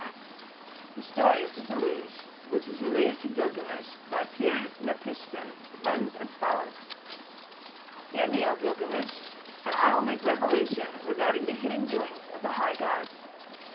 The story of the Deluge which was related to Gilgamesh by Pir napishtim runs as follows: "Hear me, O Gilgamesh, and I will make revelation regarding the hidden doings of the high gods.